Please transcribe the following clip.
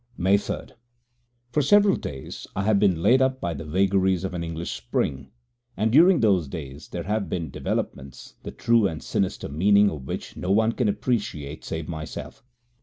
< 12 > May 3. For several days I have been laid up by the vagaries of an English spring, and during those days there have been developments, the true and sinister meaning of which no one can appreciate save myself.